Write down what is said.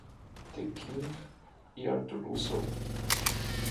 The Knife y Arthur Russell.